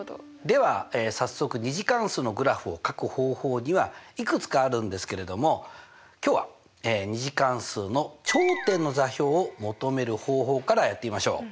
では早速２次関数のグラフをかく方法にはいくつかあるんですけれども今日は２次関数の頂点の座標を求める方法からやってみましょう！